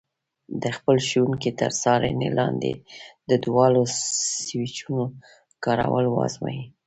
د خپل ښوونکي تر څارنې لاندې د دواړو سویچونو کارول وازمایئ.